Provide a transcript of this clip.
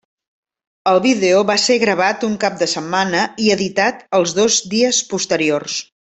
El vídeo va ser gravat un cap de setmana i editat els dos dies posteriors.